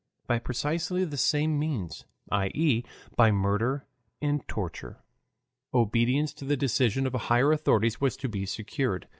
By precisely the same means, i. e., by murder and torture, obedience to the decision of the higher authorities was to be secured.